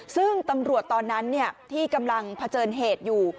ซึ่งตำรวจตอนนั้นที่กำลังเผชิญเหตุอยู่